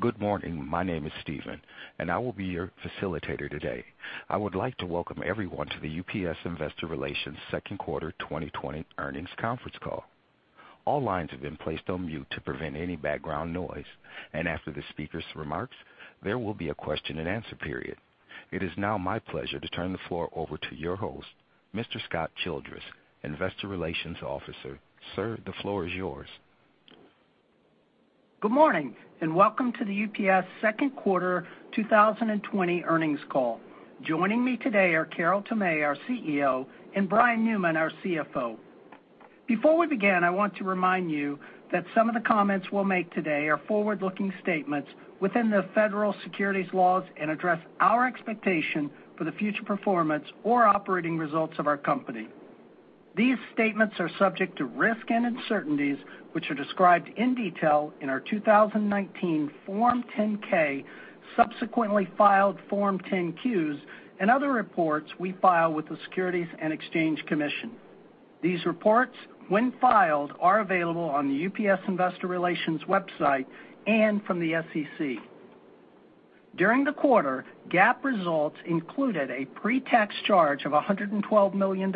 Good morning. My name is Steven, and I will be your facilitator today. I would like to welcome everyone to the UPS Investor Relations Second Quarter 2020 Earnings Conference Call. All lines have been placed on mute to prevent any background noise. After the speaker's remarks, there will be a question and answer period. It is now my pleasure to turn the floor over to your host, Mr. Scott Childress, Investor Relations Officer. Sir, the floor is yours. Good morning, and welcome to the UPS Second Quarter 2020 Earnings Call. Joining me today are Carol Tomé, our CEO, and Brian Newman, our CFO. Before we begin, I want to remind you that some of the comments we'll make today are forward-looking statements within the federal securities laws and address our expectation for the future performance or operating results of our company. These statements are subject to risk and uncertainties, which are described in detail in our 2019 Form 10-K, subsequently filed Form 10-Qs, and other reports we file with the Securities and Exchange Commission. These reports, when filed, are available on the UPS Investor Relations website and from the SEC. During the quarter, GAAP results included a pre-tax charge of $112 million,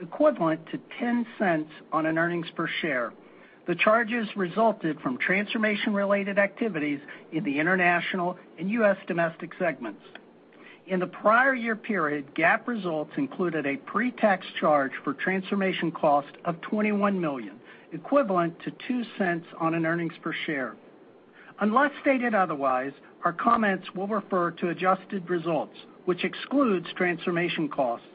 equivalent to $0.10 on an earnings per share. The charges resulted from transformation-related activities in the international and U.S. domestic segments. In the prior year period, GAAP results included a pre-tax charge for transformation cost of $21 million, equivalent to $0.02 on an earnings per share. Unless stated otherwise, our comments will refer to adjusted results, which excludes transformation costs.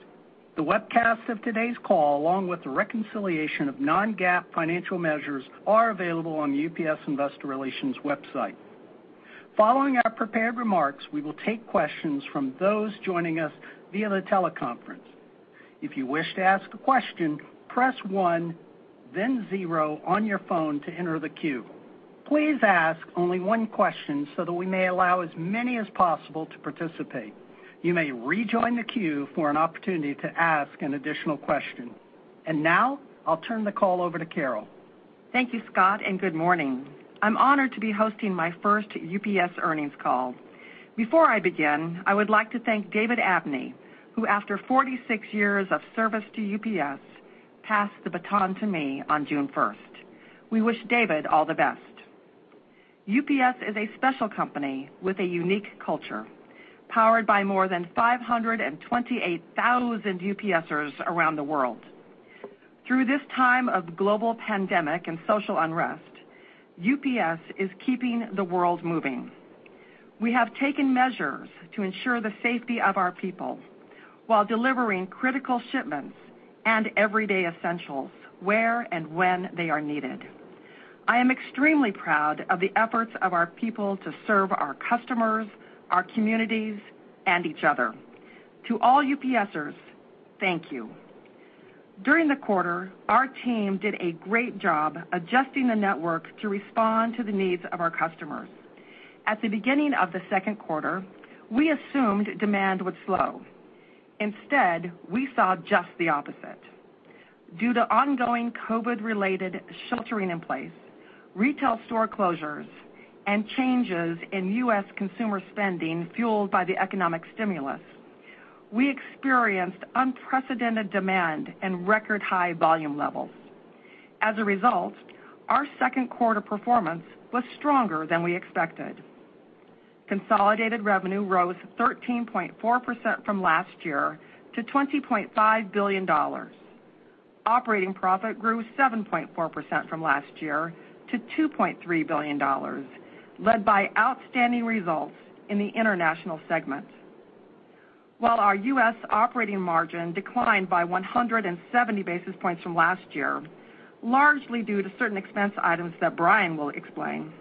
The webcast of today's call, along with the reconciliation of non-GAAP financial measures, are available on UPS Investor Relations website. Following our prepared remarks, we will take questions from those joining us via the teleconference. If you wish to ask a question, press one, then zero on your phone to enter the queue. Please ask only one question so that we may allow as many as possible to participate. You may rejoin the queue for an opportunity to ask an additional question. Now I'll turn the call over to Carol. Thank you, Scott, and good morning. I'm honored to be hosting my first UPS earnings call. Before I begin, I would like to thank David Abney, who after 46 years of service to UPS, passed the baton to me on June 1st. We wish David all the best. UPS is a special company with a unique culture, powered by more than 528,000 UPSers around the world. Through this time of global pandemic and social unrest, UPS is keeping the world moving. We have taken measures to ensure the safety of our people while delivering critical shipments and everyday essentials where and when they are needed. I am extremely proud of the efforts of our people to serve our customers, our communities, and each other. To all UPSers, thank you. During the quarter, our team did a great job adjusting the network to respond to the needs of our customers. At the beginning of the second quarter, we assumed demand would slow. Instead, we saw just the opposite. Due to ongoing COVID related sheltering in place, retail store closures, and changes in U.S. consumer spending fueled by the economic stimulus, we experienced unprecedented demand and record high volume levels. As a result, our second quarter performance was stronger than we expected. Consolidated revenue rose 13.4% from last year to $20.5 billion. Operating profit grew 7.4% from last year to $2.3 billion, led by outstanding results in the international segment. While our U.S. operating margin declined by 170 basis points from last year, largely due to certain expense items that Brian will explain,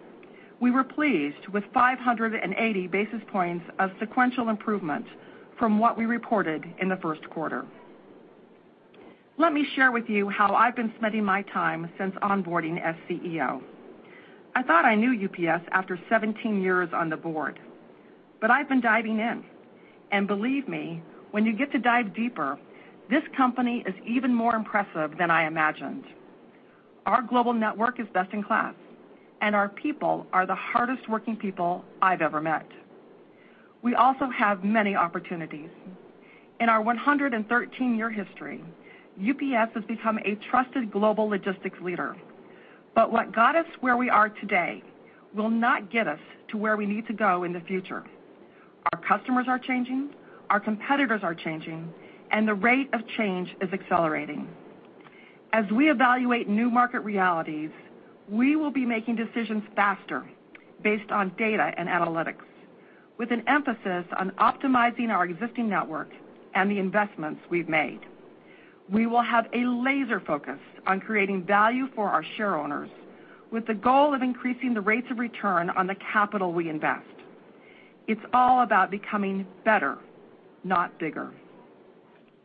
we were pleased with 580 basis points of sequential improvement from what we reported in the first quarter. Let me share with you how I've been spending my time since onboarding as CEO. I thought I knew UPS after 17 years on the board, but I've been diving in, and believe me, when you get to dive deeper, this company is even more impressive than I imagined. Our global network is best in class, and our people are the hardest working people I've ever met. We also have many opportunities. In our 113-year history, UPS has become a trusted global logistics leader. What got us where we are today will not get us to where we need to go in the future. Our customers are changing, our competitors are changing, and the rate of change is accelerating. As we evaluate new market realities, we will be making decisions faster based on data and analytics, with an emphasis on optimizing our existing network and the investments we've made. We will have a laser focus on creating value for our shareowners with the goal of increasing the rates of return on the capital we invest. It's all about becoming better, not bigger.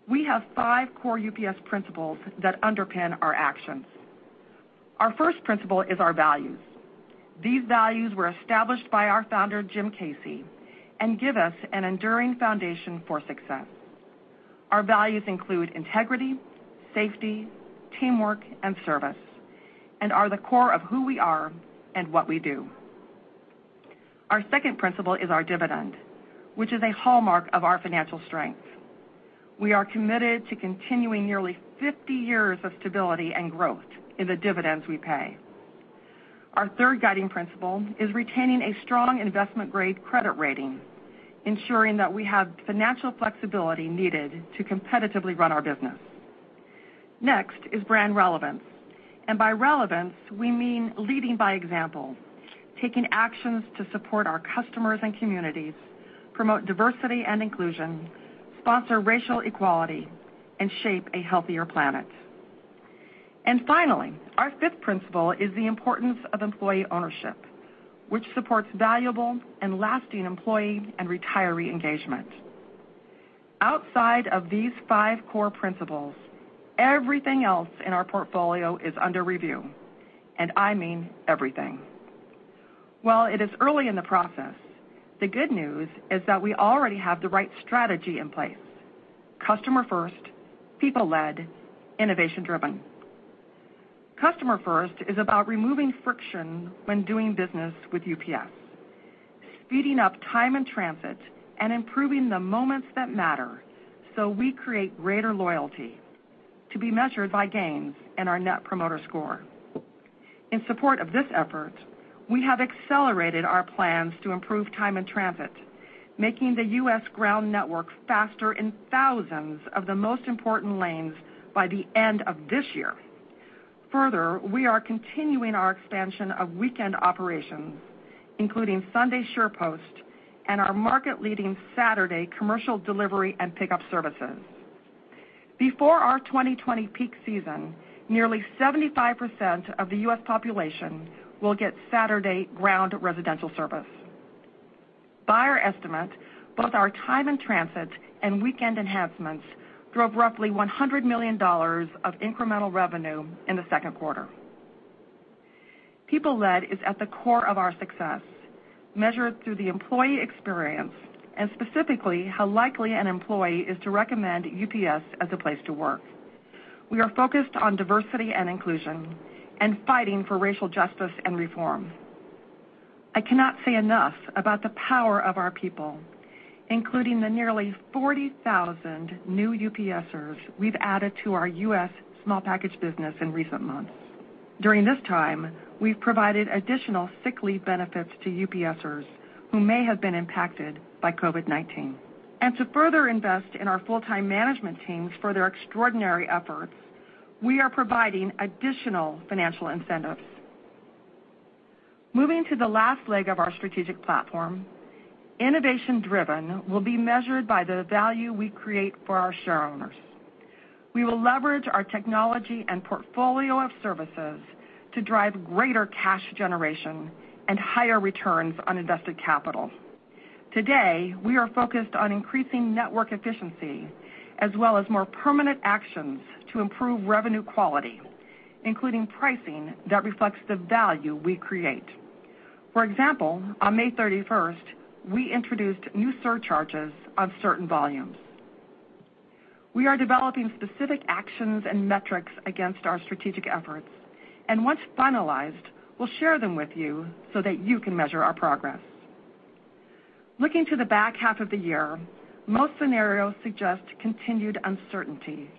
We have five core UPS principles that underpin our actions. Our first principle is our values. These values were established by our founder, Jim Casey, and give us an enduring foundation for success. Our values include integrity, safety, teamwork, and service, and are the core of who we are and what we do. Our second principle is our dividend, which is a hallmark of our financial strength. We are committed to continuing nearly 50 years of stability and growth in the dividends we pay. Our third guiding principle is retaining a strong investment-grade credit rating, ensuring that we have the financial flexibility needed to competitively run our business. Next is brand relevance, and by relevance, we mean leading by example. Taking actions to support our customers and communities, promote diversity and inclusion, sponsor racial equality, and shape a healthier planet. Finally, our fifth principle is the importance of employee ownership, which supports valuable and lasting employee and retiree engagement. Outside of these five core principles, everything else in our portfolio is under review, and I mean everything. While it is early in the process, the good news is that we already have the right strategy in place: Customer first, people-led, innovation-driven. Customer first is about removing friction when doing business with UPS, speeding up time in transit, and improving the moments that matter so we create greater loyalty to be measured by gains in our Net Promoter Score. In support of this effort, we have accelerated our plans to improve time in transit, making the U.S. ground network faster in thousands of the most important lanes by the end of this year. We are continuing our expansion of weekend operations, including Sunday SurePost and our market-leading Saturday commercial delivery and pickup services. Before our 2020 peak season, nearly 75% of the U.S. population will get Saturday ground residential service. By our estimate, both our time in transit and weekend enhancements drove roughly $100 million of incremental revenue in the second quarter. People-led is at the core of our success, measured through the employee experience and specifically how likely an employee is to recommend UPS as a place to work. We are focused on diversity and inclusion and fighting for racial justice and reform. I cannot say enough about the power of our people, including the nearly 40,000 new UPSers we've added to our U.S. small package business in recent months. During this time, we've provided additional sick leave benefits to UPSers who may have been impacted by COVID-19. To further invest in our full-time management teams for their extraordinary efforts, we are providing additional financial incentives. Moving to the last leg of our strategic platform, innovation-driven will be measured by the value we create for our shareowners. We will leverage our technology and portfolio of services to drive greater cash generation and higher returns on invested capital. Today, we are focused on increasing network efficiency as well as more permanent actions to improve revenue quality, including pricing that reflects the value we create. For example, on May 31st, we introduced new surcharges on certain volumes. We are developing specific actions and metrics against our strategic efforts, and once finalized, we'll share them with you so that you can measure our progress. Looking to the back half of the year, most scenarios suggest continued uncertainty,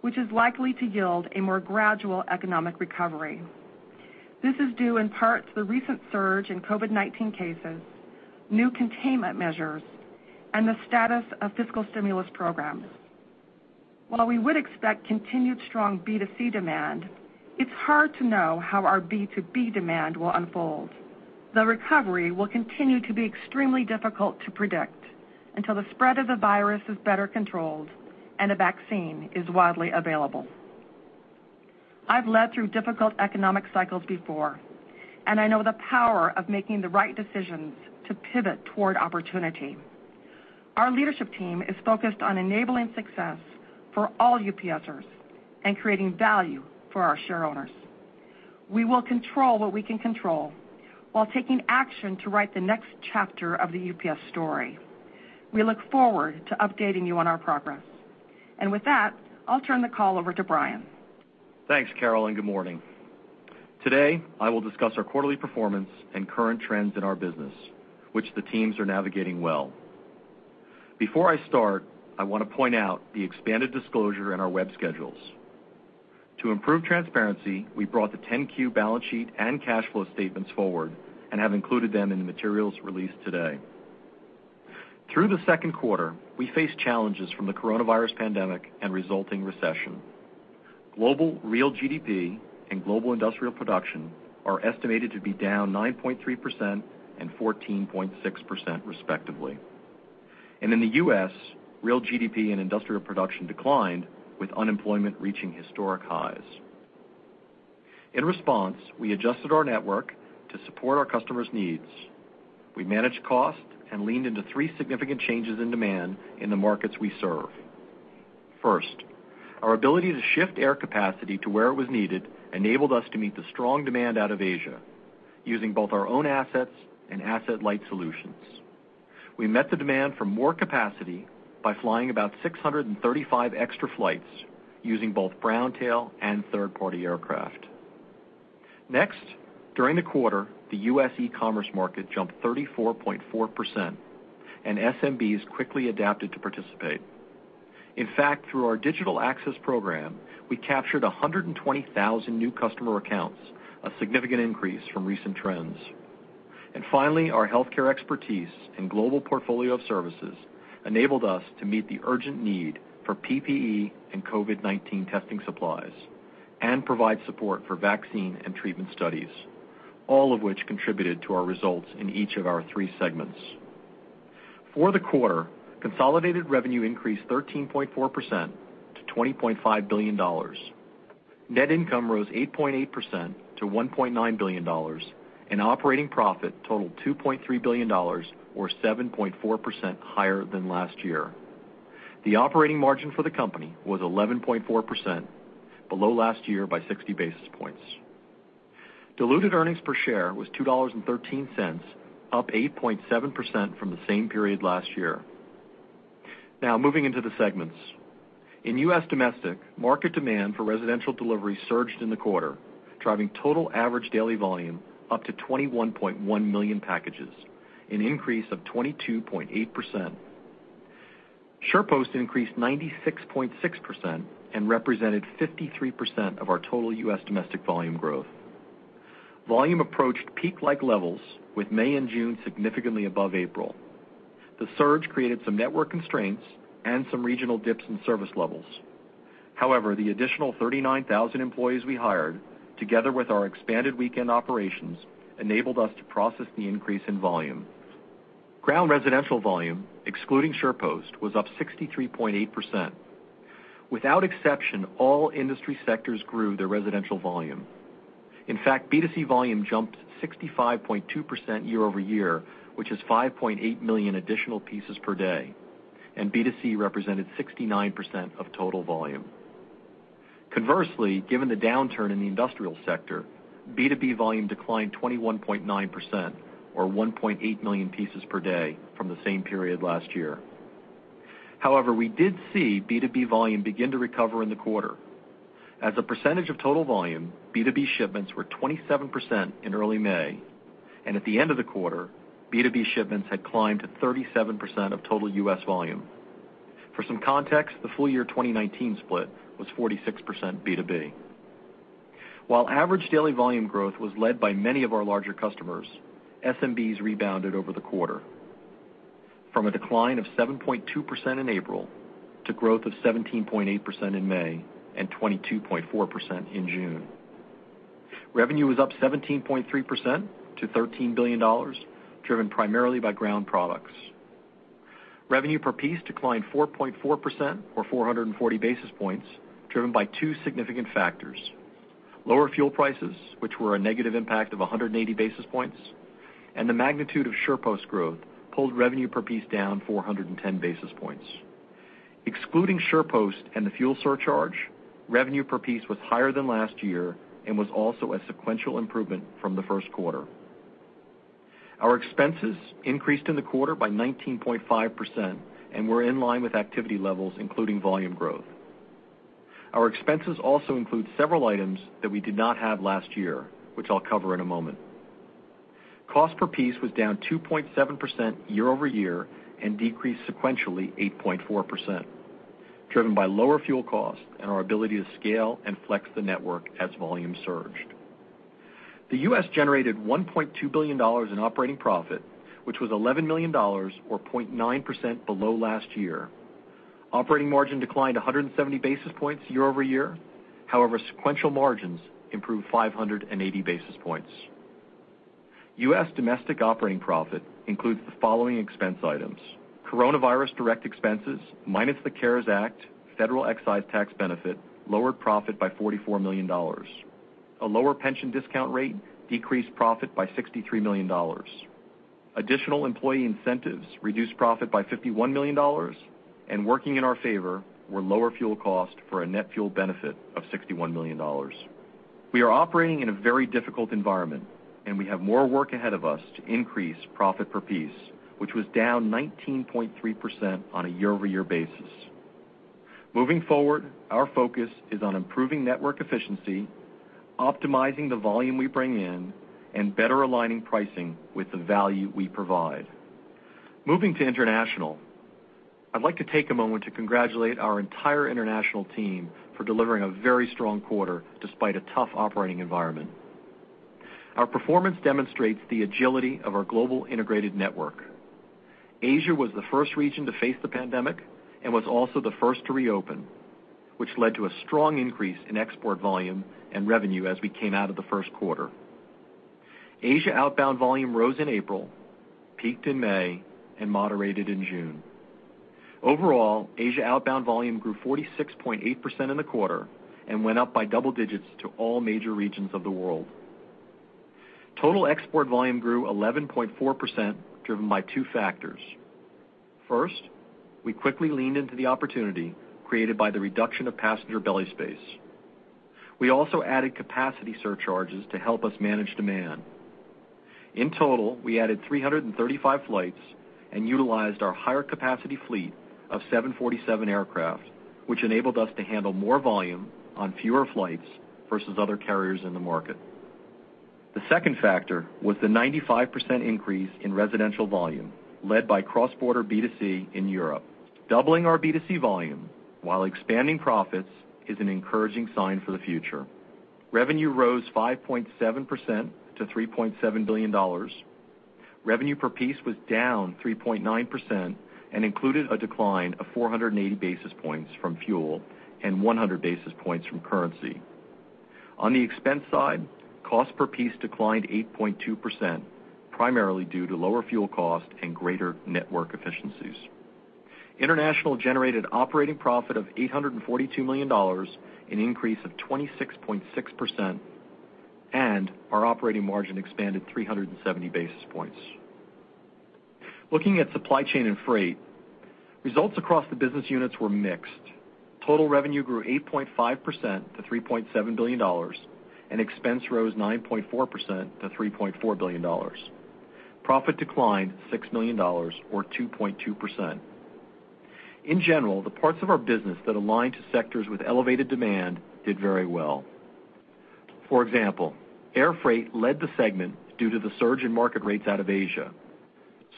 which is likely to yield a more gradual economic recovery. This is due in part to the recent surge in COVID-19 cases, new containment measures, and the status of fiscal stimulus programs. While we would expect continued strong B2C demand, it's hard to know how our B2B demand will unfold. The recovery will continue to be extremely difficult to predict until the spread of the virus is better controlled and a vaccine is widely available. I've led through difficult economic cycles before, and I know the power of making the right decisions to pivot toward opportunity. Our leadership team is focused on enabling success for all UPSers and creating value for our shareowners. We will control what we can control while taking action to write the next chapter of the UPS story. We look forward to updating you on our progress. With that, I'll turn the call over to Brian. Thanks, Carol, and good morning. Today, I will discuss our quarterly performance and current trends in our business, which the teams are navigating well. Before I start, I want to point out the expanded disclosure in our web schedules. To improve transparency, we brought the 10-Q balance sheet and cash flow statements forward and have included them in the materials released today. Through the second quarter, we faced challenges from the coronavirus pandemic and resulting recession. Global real GDP and global industrial production are estimated to be down 9.3% and 14.6% respectively. In the U.S., real GDP and industrial production declined, with unemployment reaching historic highs. In response, we adjusted our network to support our customers' needs. We managed costs and leaned into three significant changes in demand in the markets we serve. First, our ability to shift air capacity to where it was needed enabled us to meet the strong demand out of Asia using both our own assets and asset-light solutions. We met the demand for more capacity by flying about 635 extra flights using both brown tail and third-party aircraft. Next, during the quarter, the U.S. e-commerce market jumped 34.4%, and SMBs quickly adapted to participate. In fact, through our Digital Access Program, we captured 120,000 new customer accounts, a significant increase from recent trends. Finally, our healthcare expertise and global portfolio of services enabled us to meet the urgent need for PPE and COVID-19 testing supplies and provide support for vaccine and treatment studies, all of which contributed to our results in each of our three segments. For the quarter, consolidated revenue increased 13.4% to $20.5 billion. Net income rose 8.8% to $1.9 billion, and operating profit totaled $2.3 billion, or 7.4% higher than last year. The operating margin for the company was 11.4%, below last year by 60 basis points. Diluted earnings per share was $2.13, up 8.7% from the same period last year. Now, moving into the segments. In U.S. Domestic, market demand for residential delivery surged in the quarter, driving total average daily volume up to 21.1 million packages, an increase of 22.8%. SurePost increased 96.6% and represented 53% of our total U.S. domestic volume growth. Volume approached peak-like levels, with May and June significantly above April. The surge created some network constraints and some regional dips in service levels. However, the additional 39,000 employees we hired, together with our expanded weekend operations, enabled us to process the increase in volume. Ground residential volume, excluding SurePost, was up 63.8%. Without exception, all industry sectors grew their residential volume. In fact, B2C volume jumped 65.2% year-over-year, which is 5.8 million additional pieces per day, and B2C represented 69% of total volume. Conversely, given the downturn in the industrial sector, B2B volume declined 21.9%, or 1.8 million pieces per day, from the same period last year. However, we did see B2B volume begin to recover in the quarter. As a percentage of total volume, B2B shipments were 27% in early May, and at the end of the quarter, B2B shipments had climbed to 37% of total U.S. volume. For some context, the full year 2019 split was 46% B2B. While average daily volume growth was led by many of our larger customers, SMBs rebounded over the quarter. From a decline of 7.2% in April to growth of 17.8% in May and 22.4% in June. Revenue was up 17.3% to $13 billion, driven primarily by ground products. Revenue per piece declined 4.4%, or 440 basis points, driven by two significant factors. Lower fuel prices, which were a negative impact of 180 basis points, and the magnitude of SurePost growth pulled revenue per piece down 410 basis points. Excluding SurePost and the fuel surcharge, revenue per piece was higher than last year and was also a sequential improvement from the first quarter. Our expenses increased in the quarter by 19.5% and were in line with activity levels, including volume growth. Our expenses also include several items that we did not have last year, which I'll cover in a moment. Cost per piece was down 2.7% year-over-year and decreased sequentially 8.4%, driven by lower fuel costs and our ability to scale and flex the network as volume surged. The U.S. generated $1.2 billion in operating profit, which was $11 million, or 0.9%, below last year. Operating margin declined 170 basis points year-over-year. Sequential margins improved 580 basis points. U.S. Domestic operating profit includes the following expense items. Coronavirus direct expenses minus the CARES Act, federal excise tax benefit lowered profit by $44 million. A lower pension discount rate decreased profit by $63 million. Additional employee incentives reduced profit by $51 million. Working in our favor were lower fuel cost for a net fuel benefit of $61 million. We are operating in a very difficult environment. We have more work ahead of us to increase profit per piece, which was down 19.3% on a year-over-year basis. Moving forward, our focus is on improving network efficiency, optimizing the volume we bring in, and better aligning pricing with the value we provide. Moving to International, I'd like to take a moment to congratulate our entire international team for delivering a very strong quarter despite a tough operating environment. Our performance demonstrates the agility of our global integrated network. Asia was the first region to face the pandemic and was also the first to reopen, which led to a strong increase in export volume and revenue as we came out of the first quarter. Asia outbound volume rose in April, peaked in May, and moderated in June. Overall, Asia outbound volume grew 46.8% in the quarter and went up by double digits to all major regions of the world. Total export volume grew 11.4%, driven by two factors. First, we quickly leaned into the opportunity created by the reduction of passenger belly space. We also added capacity surcharges to help us manage demand. In total, we added 335 flights and utilized our higher capacity fleet of 747 aircraft, which enabled us to handle more volume on fewer flights versus other carriers in the market. The second factor was the 95% increase in residential volume, led by cross-border B2C in Europe. Doubling our B2C volume while expanding profits is an encouraging sign for the future. Revenue rose 5.7% to $3.7 billion. Revenue per piece was down 3.9% and included a decline of 480 basis points from fuel and 100 basis points from currency. On the expense side, cost per piece declined 8.2%, primarily due to lower fuel cost and greater network efficiencies. International generated operating profit of $842 million, an increase of 26.6%, and our operating margin expanded 370 basis points. Looking at supply chain and freight, results across the business units were mixed. Total revenue grew 8.5% to $3.7 billion and expense rose 9.4% to $3.4 billion. Profit declined $6 million or 2.2%. In general, the parts of our business that align to sectors with elevated demand did very well. For example, air freight led the segment due to the surge in market rates out of Asia,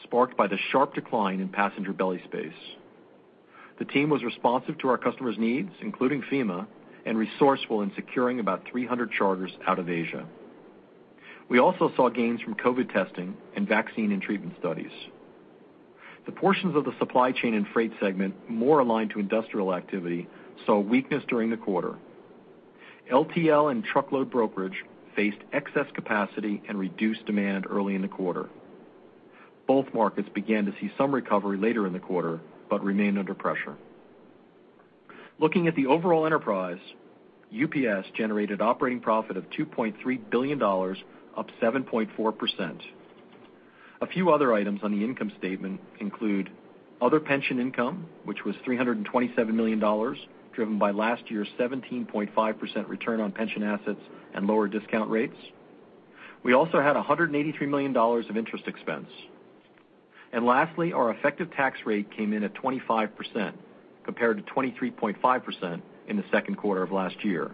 sparked by the sharp decline in passenger belly space. The team was responsive to our customers' needs, including FEMA, and resourceful in securing about 300 charters out of Asia. We also saw gains from COVID testing and vaccine and treatment studies. The portions of the supply chain and freight segment more aligned to industrial activity, saw weakness during the quarter. LTL and truckload brokerage faced excess capacity and reduced demand early in the quarter. Both markets began to see some recovery later in the quarter, but remain under pressure. Looking at the overall enterprise, UPS generated operating profit of $2.3 billion, up 7.4%. A few other items on the income statement include other pension income, which was $327 million, driven by last year's 17.5% return on pension assets and lower discount rates. We also had $183 million of interest expense. Lastly, our effective tax rate came in at 25% compared to 23.5% in the second quarter of last year,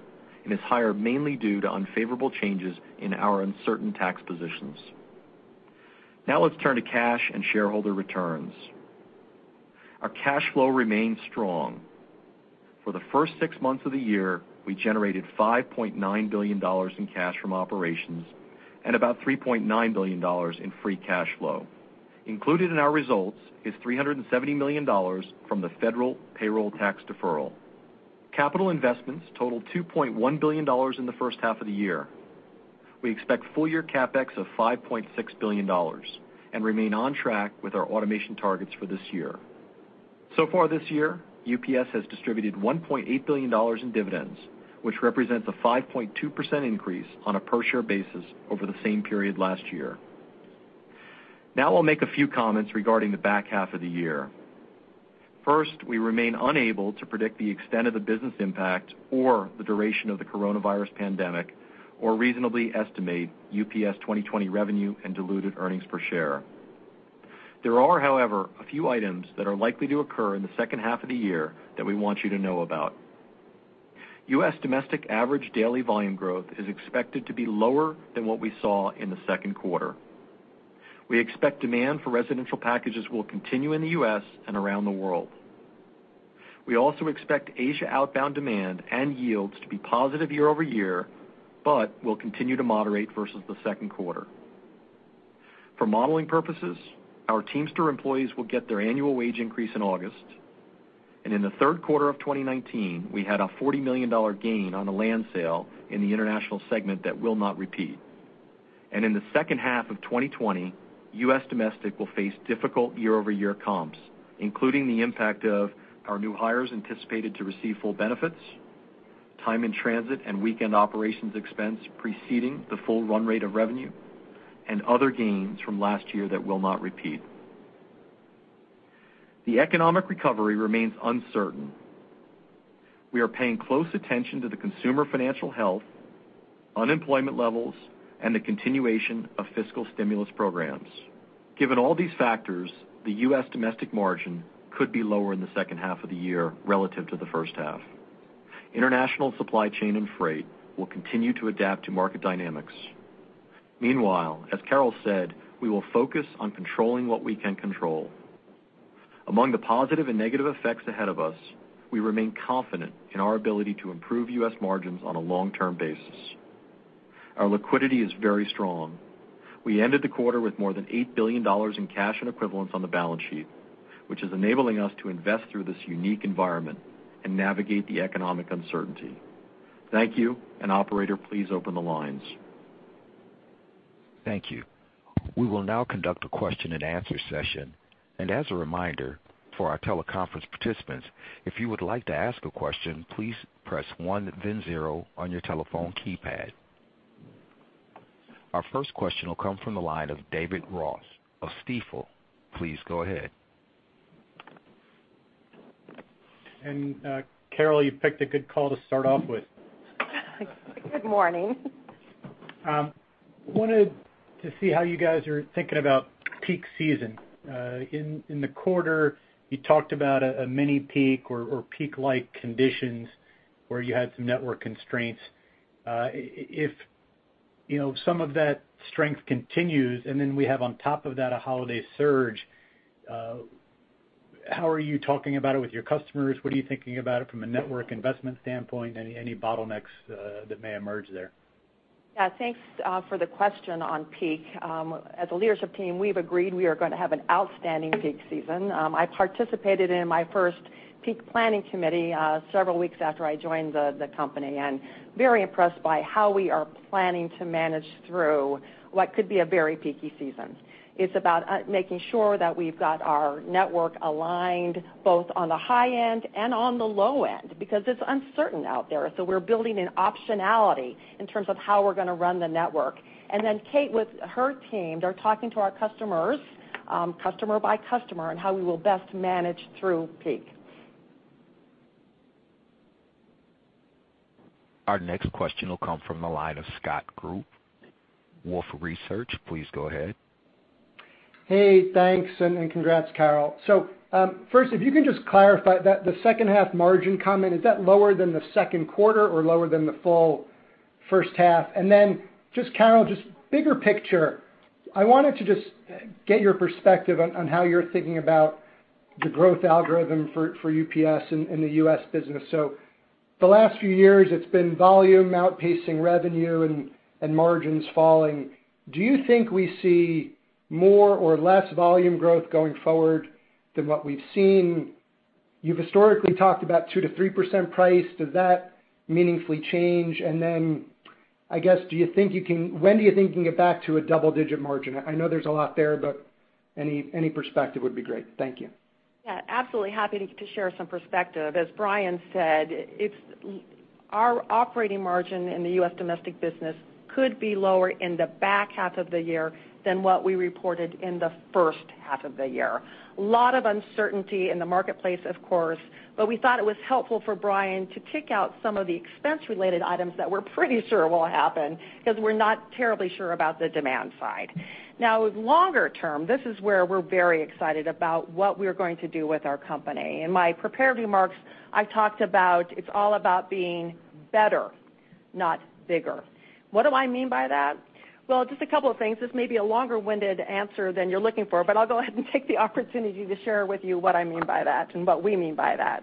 is higher mainly due to unfavorable changes in our uncertain tax positions. Let's turn to cash and shareholder returns. Our cash flow remains strong. For the first six months of the year, we generated $5.9 billion in cash from operations and about $3.9 billion in free cash flow. Included in our results is $370 million from the federal payroll tax deferral. Capital investments totaled $2.1 billion in the first half of the year. We expect full year CapEx of $5.6 billion and remain on track with our automation targets for this year. Far this year, UPS has distributed $1.8 billion in dividends, which represents a 5.2% increase on a per share basis over the same period last year. I'll make a few comments regarding the back half of the year. First, we remain unable to predict the extent of the business impact or the duration of the coronavirus pandemic or reasonably estimate UPS 2020 revenue and diluted earnings per share. There are, however, a few items that are likely to occur in the second half of the year that we want you to know about. U.S. domestic average daily volume growth is expected to be lower than what we saw in the second quarter. We expect demand for residential packages will continue in the U.S. and around the world. We also expect Asia outbound demand and yields to be positive year-over-year, will continue to moderate versus the second quarter. For modeling purposes, our Teamster employees will get their annual wage increase in August. In the third quarter of 2019, we had a $40 million gain on a land sale in the international segment that will not repeat. In the second half of 2020, U.S. domestic will face difficult year-over-year comps, including the impact of our new hires anticipated to receive full benefits, time in transit and weekend operations expense preceding the full run rate of revenue, and other gains from last year that will not repeat. The economic recovery remains uncertain. We are paying close attention to the consumer financial health, unemployment levels, and the continuation of fiscal stimulus programs. Given all these factors, the U.S. domestic margin could be lower in the second half of the year relative to the first half. International supply chain and freight will continue to adapt to market dynamics. Meanwhile, as Carol said, we will focus on controlling what we can control. Among the positive and negative effects ahead of us, we remain confident in our ability to improve U.S. margins on a long-term basis. Our liquidity is very strong. We ended the quarter with more than $8 billion in cash and equivalents on the balance sheet, which is enabling us to invest through this unique environment and navigate the economic uncertainty. Thank you, and operator, please open the lines. Thank you. We will now conduct a question and answer session. As a reminder for our teleconference participants, if you would like to ask a question, please press one, then zero on your telephone keypad. Our first question will come from the line of David Ross of Stifel. Please go ahead. Carol, you picked a good call to start off with. Good morning. Wanted to see how you guys are thinking about peak season? In the quarter, you talked about a mini peak or peak-like conditions where you had some network constraints. If some of that strength continues, and then we have on top of that, a holiday surge, how are you talking about it with your customers? What are you thinking about it from a network investment standpoint? Any bottlenecks that may emerge there? Yeah. Thanks for the question on peak. As a leadership team, we've agreed we are going to have an outstanding peak season. I participated in my first peak planning committee, several weeks after I joined the company, and very impressed by how we are planning to manage through what could be a very peaky season. It's about making sure that we've got our network aligned both on the high end and on the low end, because it's uncertain out there. We're building an optionality in terms of how we're going to run the network. Kate with her team, they're talking to our customers, customer by customer, on how we will best manage through peak. Our next question will come from the line of Scott Group, Wolfe Research. Please go ahead. Hey, thanks, and congrats, Carol. First, if you can just clarify that the second half margin comment, is that lower than the second quarter or lower than the full first half? Just Carol, just bigger picture, I wanted to just get your perspective on how you're thinking about the growth algorithm for UPS in the U.S. business. The last few years, it's been volume outpacing revenue and margins falling. Do you think we see more or less volume growth going forward than what we've seen? You've historically talked about 2%-3% price. Does that meaningfully change? I guess, when do you think you can get back to a double-digit margin? I know there's a lot there, but any perspective would be great. Thank you. Yeah, absolutely happy to share some perspective. As Brian said, our operating margin in the U.S. domestic business could be lower in the back half of the year than what we reported in the first half of the year. Lot of uncertainty in the marketplace, of course, but we thought it was helpful for Brian to kick out some of the expense-related items that we're pretty sure will happen because we're not terribly sure about the demand side. Longer term, this is where we're very excited about what we're going to do with our company. In my prepared remarks, I talked about it's all about being better, not bigger. What do I mean by that? Well, just a couple of things. This may be a longer-winded answer than you're looking for, but I'll go ahead and take the opportunity to share with you what I mean by that and what we mean by that.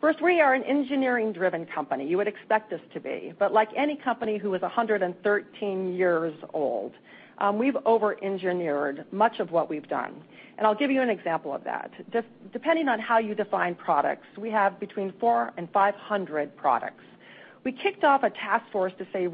First, we are an engineering-driven company. You would expect us to be. Like any company who is 113 years old, we've over-engineered much of what we've done. I'll give you an example of that. Depending on how you define products, we have between 400 and 500 products. We kicked off a task force to say,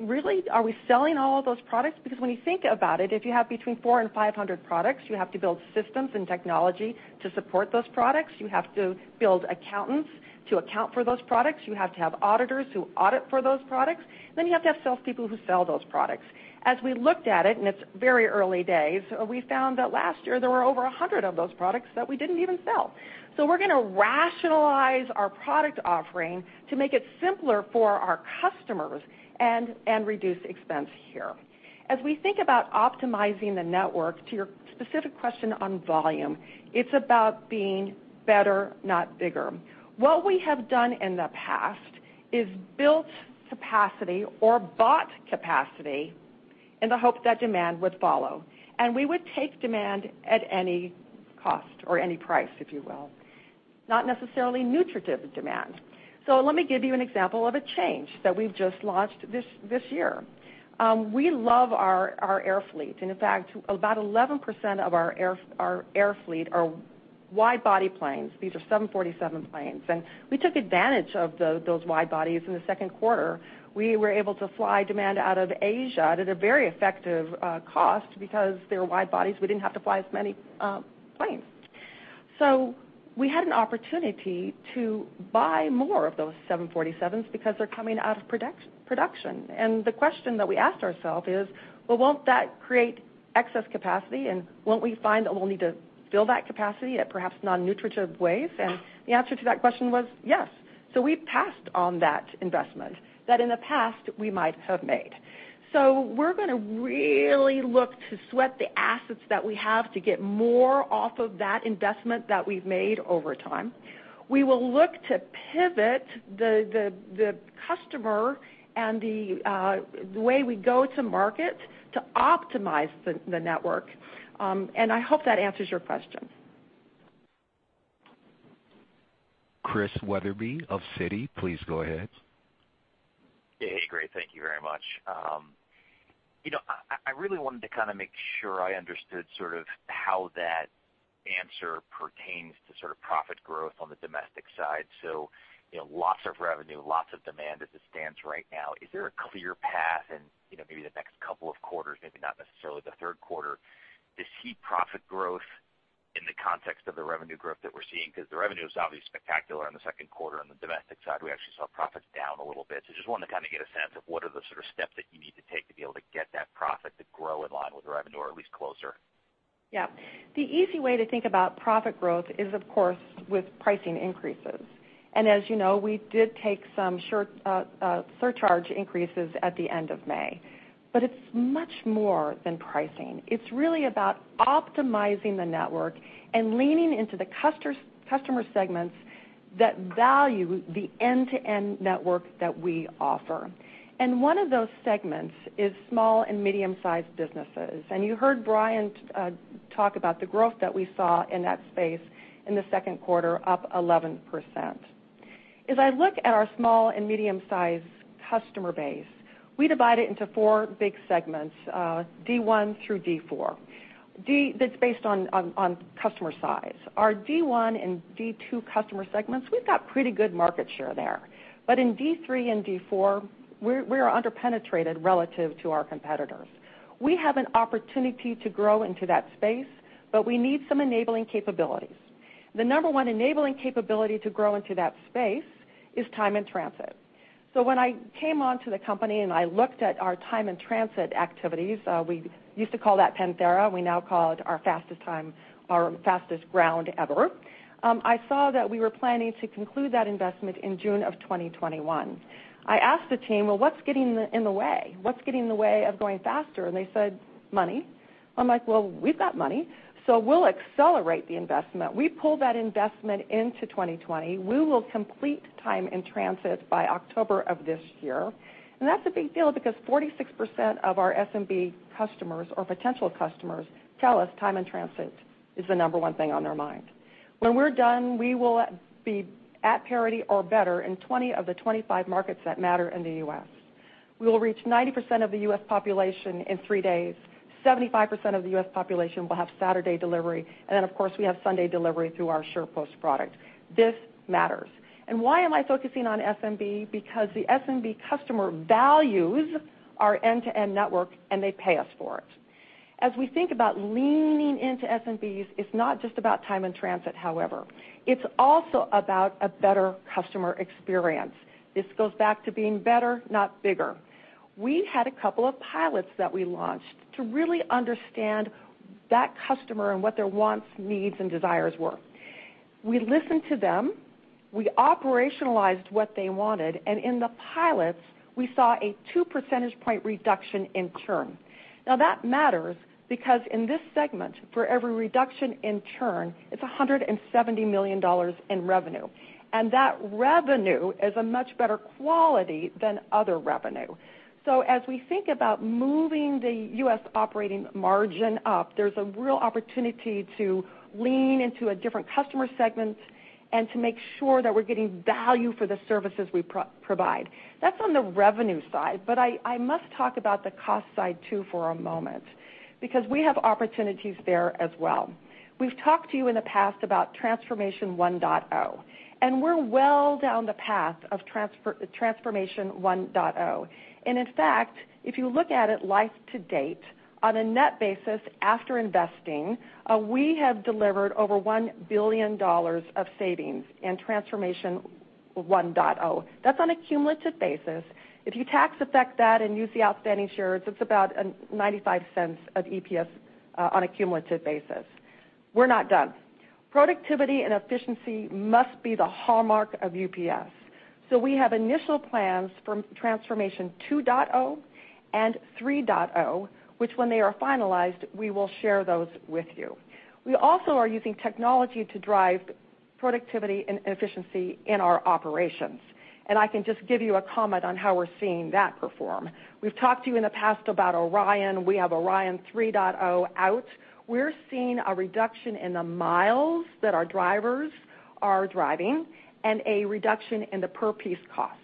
"Really? Are we selling all of those products?" Because when you think about it, if you have between 400 and 500 products, you have to build systems and technology to support those products. You have to build accountants to account for those products. You have to have auditors who audit for those products. You have to have salespeople who sell those products. As we looked at it, and it's very early days, we found that last year there were over 100 of those products that we didn't even sell. We're going to rationalize our product offering to make it simpler for our customers and reduce expense here. As we think about optimizing the network to your specific question on volume, it's about being better, not bigger. What we have done in the past is built capacity or bought capacity in the hope that demand would follow, and we would take demand at any cost or any price, if you will. Not necessarily nutritive demand. Let me give you an example of a change that we've just launched this year. We love our air fleet, and in fact, about 11% of our air fleet are wide-body planes. These are 747 planes. We took advantage of those wide bodies in the second quarter. We were able to fly demand out of Asia at a very effective cost because they were wide bodies, we didn't have to fly as many planes. We had an opportunity to buy more of those 747s because they're coming out of production. The question that we asked ourselves is, well, won't that create excess capacity, and won't we find that we'll need to fill that capacity at perhaps non-nutritive ways? The answer to that question was yes. We passed on that investment that in the past we might have made. We're going to really look to sweat the assets that we have to get more off of that investment that we've made over time. We will look to pivot the customer and the way we go to market to optimize the network. I hope that answers your question. Chris Wetherbee of Citi, please go ahead. Hey, great. Thank you very much. I really wanted to make sure I understood sort of how that answer pertains to sort of profit growth on the domestic side. Lots of revenue, lots of demand as it stands right now. Is there a clear path in maybe the next couple of quarters, maybe not necessarily the third quarter, to see profit growth in the context of the revenue growth that we're seeing? The revenue is obviously spectacular in the second quarter on the domestic side, we actually saw profits down a little bit. Just wanted to kind of get a sense of what are the sort of steps that you need to take to be able to get that profit to grow in line with revenue or at least closer. The easy way to think about profit growth is, of course, with pricing increases. As you know, we did take some surcharge increases at the end of May. It's much more than pricing. It's really about optimizing the network and leaning into the customer segments that value the end-to-end network that we offer. One of those segments is small and medium-sized businesses. You heard Brian talk about the growth that we saw in that space in the second quarter, up 11%. As I look at our small and medium-sized customer base, we divide it into four big segments, D1 through D4. That's based on customer size. Our D1 and D2 customer segments, we've got pretty good market share there. In D3 and D4, we're under-penetrated relative to our competitors. We have an opportunity to grow into that space, but we need some enabling capabilities. The number one enabling capability to grow into that space is time and transit. When I came onto the company and I looked at our time and transit activities, we used to call that Panther, we now call it our Fastest Ground Ever. I saw that we were planning to conclude that investment in June of 2021. I asked the team, "Well, what's getting in the way? What's getting in the way of going faster?" They said, "Money." I'm like, "Well, we've got money, so we'll accelerate the investment." We pulled that investment into 2020. We will complete time and transit by October of this year. That's a big deal because 46% of our SMB customers or potential customers tell us time and transit is the number one thing on their mind. When we're done, we will be at parity or better in 20 of the 25 markets that matter in the U.S. We will reach 90% of the U.S. population in three days, 75% of the U.S. population will have Saturday delivery, of course, we have Sunday delivery through our SurePost product. This matters. Why am I focusing on SMB? Because the SMB customer values our end-to-end network and they pay us for it. As we think about leaning into SMBs, it's not just about time and transit, however. It's also about a better customer experience. This goes back to being better, not bigger. We had a couple of pilots that we launched to really understand that customer and what their wants, needs, and desires were. We listened to them, we operationalized what they wanted, and in the pilots, we saw a two percentage point reduction in churn. Now that matters because in this segment, for every reduction in churn, it's $170 million in revenue, and that revenue is a much better quality than other revenue. As we think about moving the U.S. operating margin up, there's a real opportunity to lean into a different customer segment and to make sure that we're getting value for the services we provide. That's on the revenue side, but I must talk about the cost side, too, for a moment because we have opportunities there as well. We've talked to you in the past about Transformation 1.0, and we're well down the path of Transformation 1.0. In fact, if you look at it life to date, on a net basis after investing, we have delivered over $1 billion of savings in Transformation 1.0. That's on a cumulative basis. If you tax effect that and use the outstanding shares, it's about $0.95 of EPS on a cumulative basis. We're not done. Productivity and efficiency must be the hallmark of UPS. We have initial plans from Transformation 2.0 and 3.0, which when they are finalized, we will share those with you. We also are using technology to drive productivity and efficiency in our operations, and I can just give you a comment on how we're seeing that perform. We've talked to you in the past about ORION. We have ORION 3.0 out. We're seeing a reduction in the miles that our drivers are driving and a reduction in the per piece cost.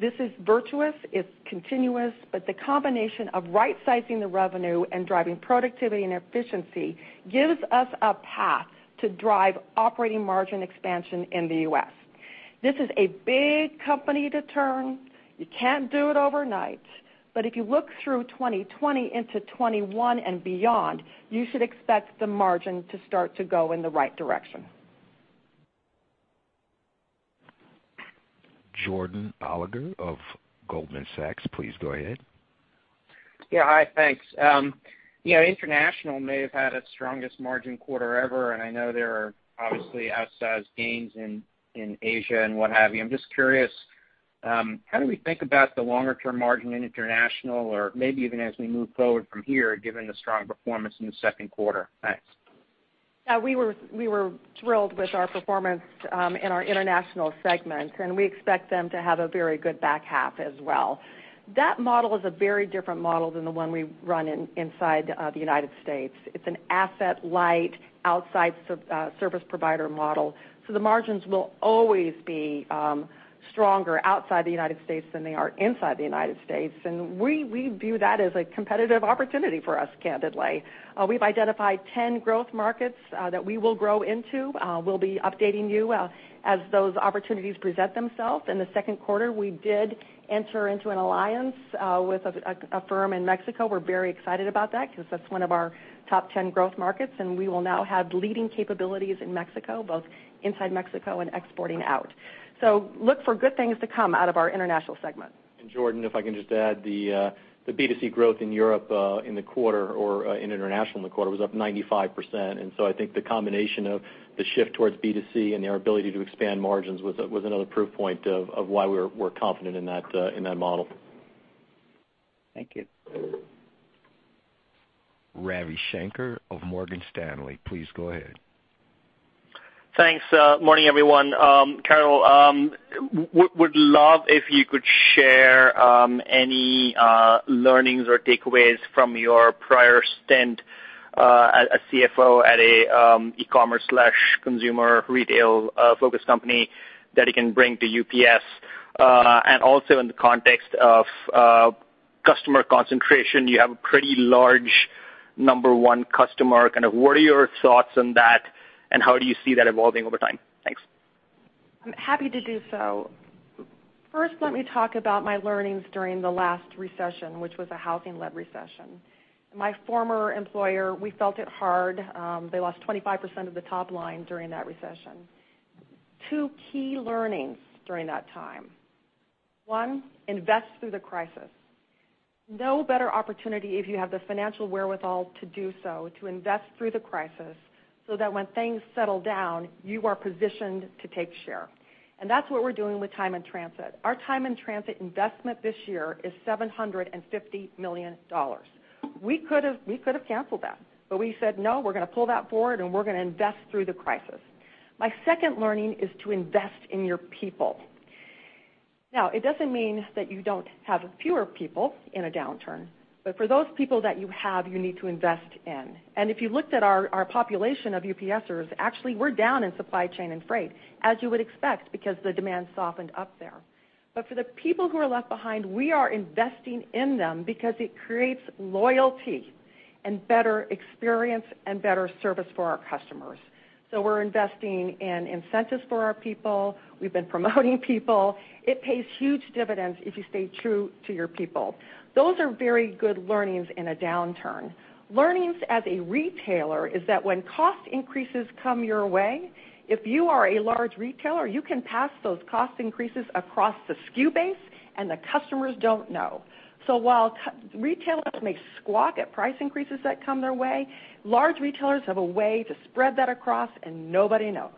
This is virtuous, it's continuous, the combination of right-sizing the revenue and driving productivity and efficiency gives us a path to drive operating margin expansion in the U.S. This is a big company to turn. You can't do it overnight, but if you look through 2020 into 2021 and beyond, you should expect the margin to start to go in the right direction. Jordan Alliger of Goldman Sachs, please go ahead. Yeah. Hi, thanks. International may have had its strongest margin quarter ever, and I know there are obviously outsized gains in Asia and what have you. I'm just curious, how do we think about the longer-term margin in international or maybe even as we move forward from here, given the strong performance in the second quarter? Thanks. We were thrilled with our performance in our international segment. We expect them to have a very good back half as well. That model is a very different model than the one we run inside the U.S. It's an asset light, outside service provider model. The margins will always be stronger outside the U.S. than they are inside the U.S. We view that as a competitive opportunity for us, candidly. We've identified 10 growth markets that we will grow into. We'll be updating you as those opportunities present themselves. In the second quarter, we did enter into an alliance with a firm in Mexico. We're very excited about that because that's one of our top 10 growth markets. We will now have leading capabilities in Mexico, both inside Mexico and exporting out. Look for good things to come out of our international segment. Jordan, if I can just add the B2C growth in Europe in the quarter or in international in the quarter was up 95%. I think the combination of the shift towards B2C and their ability to expand margins was another proof point of why we're confident in that model. Thank you. Ravi Shanker of Morgan Stanley, please go ahead. Thanks. Morning, everyone. Carol, would love if you could share any learnings or takeaways from your prior stint as CFO at an e-commerce/consumer retail focused company that you can bring to UPS. Also in the context of customer concentration, you have a pretty large number one customer. Kind of what are your thoughts on that, and how do you see that evolving over time? Thanks. I'm happy to do so. First, let me talk about my learnings during the last recession, which was a housing-led recession. My former employer, we felt it hard. They lost 25% of the top line during that recession. Two key learnings during that time. One, invest through the crisis. No better opportunity if you have the financial wherewithal to do so, to invest through the crisis, so that when things settle down, you are positioned to take share. That's what we're doing with time and transit. Our time and transit investment this year is $750 million. We could have canceled that. We said, "No, we're going to pull that forward and we're going to invest through the crisis." My second learning is to invest in your people. It doesn't mean that you don't have fewer people in a downturn, but for those people that you have, you need to invest in. If you looked at our population of UPSers, actually we're down in supply chain and freight, as you would expect because the demand softened up there. For the people who are left behind, we are investing in them because it creates loyalty and better experience and better service for our customers. We're investing in incentives for our people. We've been promoting people. It pays huge dividends if you stay true to your people. Those are very good learnings in a downturn. Learnings as a retailer is that when cost increases come your way, if you are a large retailer, you can pass those cost increases across the SKU base and the customers don't know. While retailers may squawk at price increases that come their way, large retailers have a way to spread that across and nobody knows.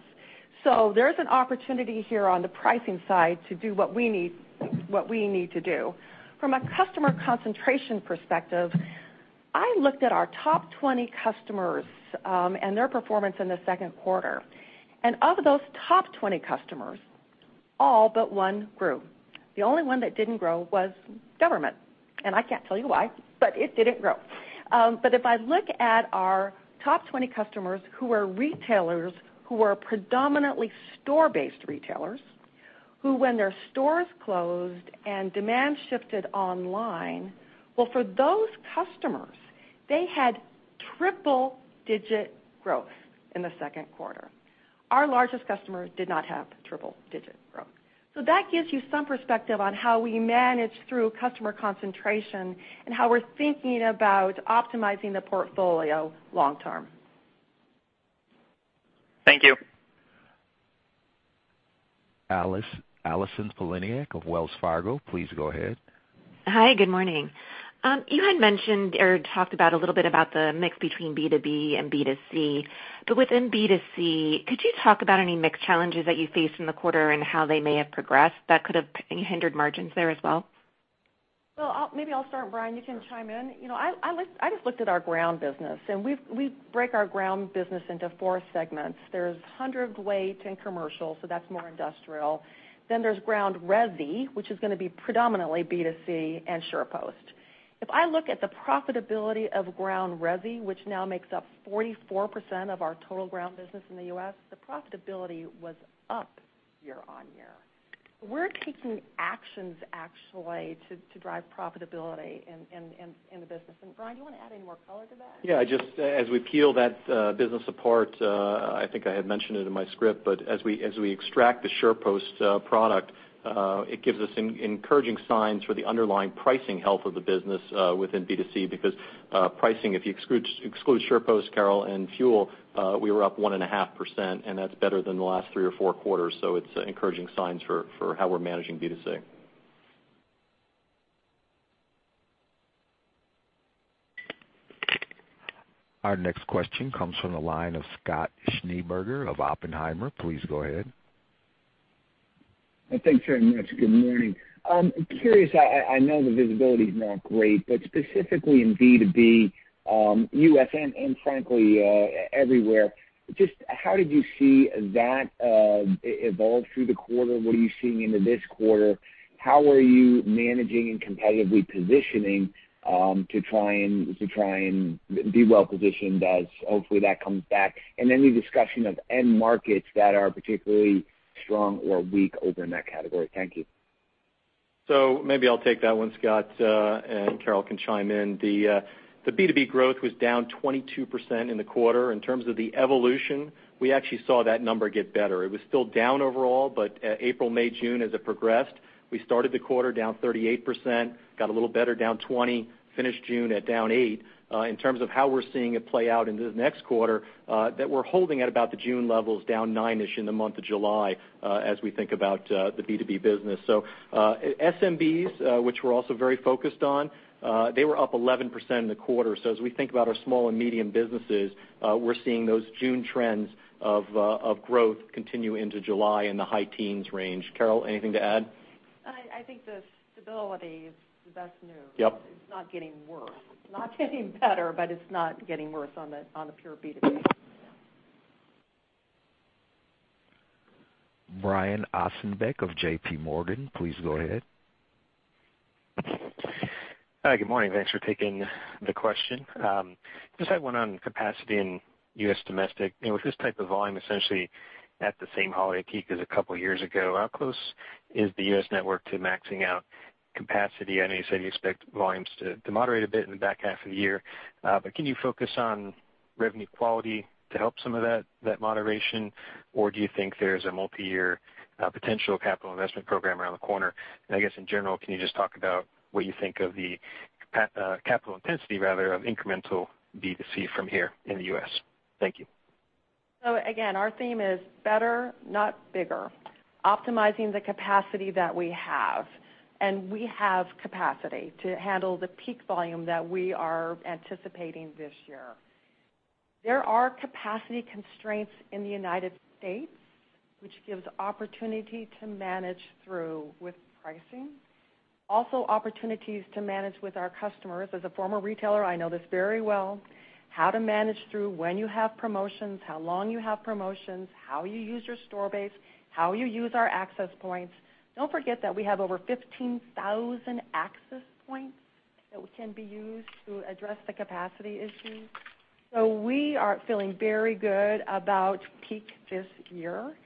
There's an opportunity here on the pricing side to do what we need to do. From a customer concentration perspective, I looked at our top 20 customers, and their performance in the second quarter. Of those top 20 customers, all but one grew. The only one that didn't grow was government. I can't tell you why, but it didn't grow. If I look at our top 20 customers who are retailers, who are predominantly store-based retailers, who when their stores closed and demand shifted online, well, for those customers, they had triple-digit growth in the second quarter. Our largest customers did not have triple-digit growth. That gives you some perspective on how we manage through customer concentration and how we're thinking about optimizing the portfolio long term. Thank you. Allison Poliniak of Wells Fargo, please go ahead. Hi, good morning. You had mentioned or talked a little bit about the mix between B2B and B2C. Within B2C, could you talk about any mix challenges that you faced in the quarter and how they may have progressed that could have hindered margins there as well? Maybe I'll start and Brian, you can chime in. I just looked at our ground business and we break our ground business into four segments. There's Hundredweight and commercial, that's more industrial. There's Ground Resi, which is going to be predominantly B2C and SurePost. If I look at the profitability of Ground Resi, which now makes up 44% of our total ground business in the U.S., the profitability was up year-over-year. We're taking actions actually to drive profitability in the business. Brian, do you want to add any more color to that? Just as we peel that business apart, I think I had mentioned it in my script, but as we extract the SurePost product, it gives us encouraging signs for the underlying pricing health of the business within B2C because pricing, if you exclude SurePost, Carol, and fuel, we were up 1.5% and that's better than the last three or four quarters. It's encouraging signs for how we're managing B2C. Our next question comes from the line of Scott Schneeberger of Oppenheimer. Please go ahead. Thanks very much. Good morning. I'm curious, I know the visibility is not great, but specifically in B2B, U.S. and frankly, everywhere, just how did you see that evolve through the quarter? What are you seeing into this quarter? How are you managing and competitively positioning, to try and be well-positioned as hopefully that comes back? Any discussion of end markets that are particularly strong or weak over in that category? Thank you. Maybe I'll take that one, Scott, and Carol can chime in. The B2B growth was down 22% in the quarter. In terms of the evolution, we actually saw that number get better. It was still down overall, but April, May, June, as it progressed, we started the quarter down 38%, got a little better down 20%, finished June at down 8%. In terms of how we're seeing it play out into the next quarter, that we're holding at about the June levels down 9%-ish in the month of July, as we think about the B2B business. SMBs, which we're also very focused on, they were up 11% in the quarter. As we think about our small and medium businesses, we're seeing those June trends of growth continue into July in the high teens range. Carol, anything to add? I think the stability is the best news. Yep. It's not getting worse. Not getting better, but it's not getting worse on the pure B2B. Brian Ossenbeck of JPMorgan, please go ahead. Hi. Good morning. Thanks for taking the question. Just had one on capacity in U.S. domestic. With this type of volume, essentially at the same holiday peak as a couple of years ago, how close is the U.S. network to maxing out capacity? I know you said you expect volumes to moderate a bit in the back half of the year. Can you focus on revenue quality to help some of that moderation, or do you think there's a multi-year potential capital investment program around the corner? I guess in general, can you just talk about what you think of the capital intensity, rather, of incremental B2C from here in the U.S.? Thank you. Again, our theme is better, not bigger. Optimizing the capacity that we have. We have capacity to handle the peak volume that we are anticipating this year. There are capacity constraints in the U.S., which gives opportunity to manage through with pricing. Also, opportunities to manage with our customers. As a former retailer, I know this very well, how to manage through when you have promotions, how long you have promotions, how you use your store base, how you use our access points. Don't forget that we have over 15,000 access points that can be used to address the capacity issues. We are feeling very good about peak this year.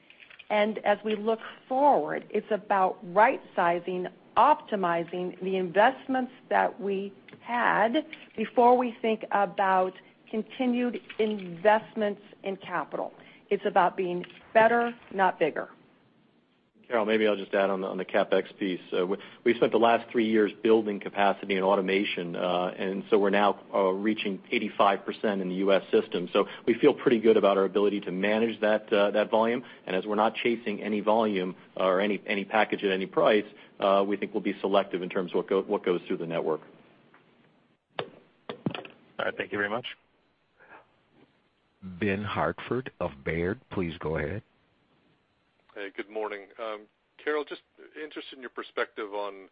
As we look forward, it's about right-sizing, optimizing the investments that we had before we think about continued investments in capital. It's about being better, not bigger. Carol, maybe I'll just add on the CapEx piece. We spent the last three years building capacity and automation, and so we're now reaching 85% in the U.S. system. We feel pretty good about our ability to manage that volume. As we're not chasing any volume or any package at any price, we think we'll be selective in terms of what goes through the network. All right. Thank you very much. Ben Hartford of Baird, please go ahead. Hey, good morning. Carol, just interested in your perspective on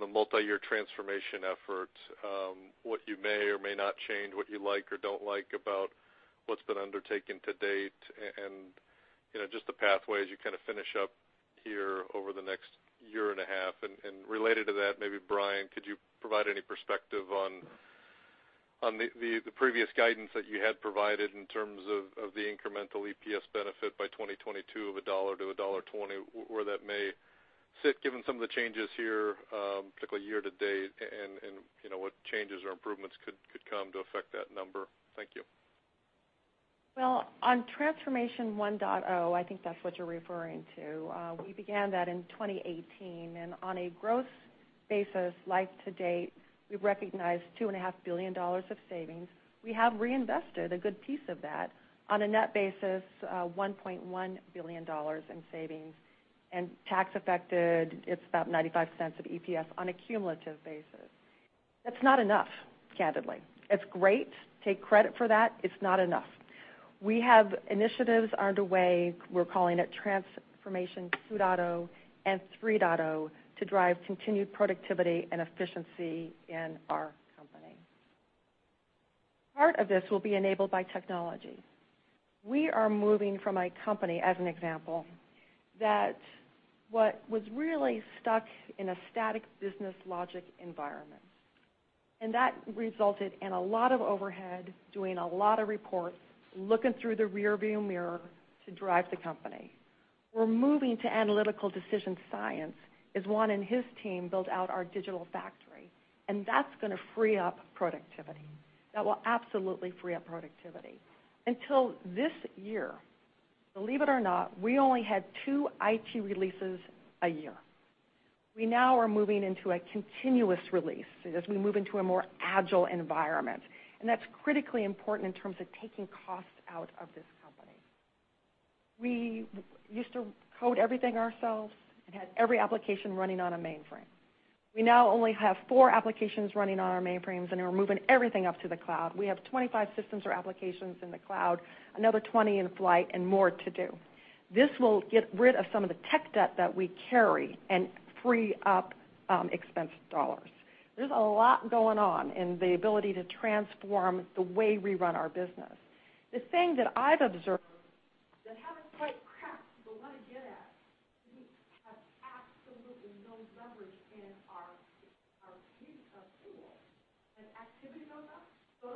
the multi-year transformation effort, what you may or may not change, what you like or don't like about what's been undertaken to date, and just the pathway as you kind of finish up here over the next one and a half years. Related to that, maybe Brian, could you provide any perspective on the previous guidance that you had provided in terms of the incremental EPS benefit by 2022 of a $1-$1.20, where that may sit given some of the changes here, particularly year-to-date, and what changes or improvements could come to affect that number? Thank you. Well, on Transformation 1.0, I think that's what you're referring to. We began that in 2018, and on a gross basis, like to date, we've recognized $2.5 billion of savings. We have reinvested a good piece of that. On a net basis, $1.1 billion in savings. Tax affected, it's about $0.95 of EPS on a cumulative basis. That's not enough, candidly. It's great. Take credit for that. It's not enough. We have initiatives underway, we're calling it Transformation 2.0 and 3.0 to drive continued productivity and efficiency in our company. Part of this will be enabled by technology. We are moving from a company, as an example, that was really stuck in a static business logic environment. That resulted in a lot of overhead, doing a lot of reports, looking through the rear-view mirror to drive the company. We're moving to analytical decision science as Juan and his team build out our digital factory. That's going to free up productivity. That will absolutely free up productivity. Until this year, believe it or not, we only had two IT releases a year. We now are moving into a continuous release as we move into a more agile environment. That's critically important in terms of taking costs out of this company. We used to code everything ourselves and had every application running on a mainframe. We now only have four applications running on our mainframes, and we're moving everything up to the cloud. We have 25 systems or applications in the cloud, another 20 in flight, and more to do. This will get rid of some of the tech debt that we carry and free up expense dollars. There's a lot going on in the ability to transform the way we run our business. The thing that I've observed that haven't quite